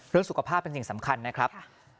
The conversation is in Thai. เรื่องสุขภาพเป็นสิ่งสำคัญนะครับ